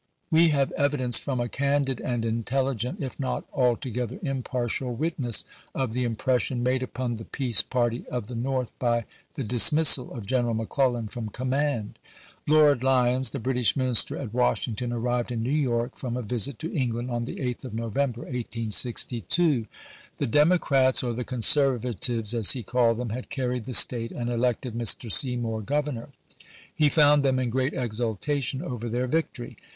We have evidence from a candid and intelligent, if not altogether impartial, witness of the impres sion made upon the peace party of the North by the dismissal of General McClellan from command. Lord Lyons, the British Minister at Washington, arrived in New York from a visit to England on Vol. VI.— 13 194 ABRAHAM LINCOLN Chap. IX. the 8th of November, 1862. The Democrats, or the Conservatives as he called them, had carried the State and elected Mr. Seymour governor. He found them in great exultation over their victory.